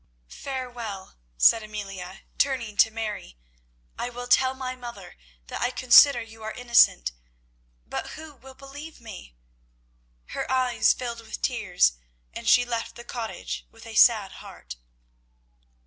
Farewell," said Amelia, turning to Mary, "I will tell my mother that I consider you are innocent, but who will believe me?" Her eyes filled with tears, and she left the cottage with a sad heart.